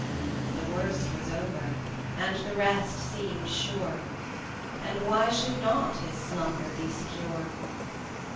The worst was over, and the rest seemed sure, And why should not his slumber be secure?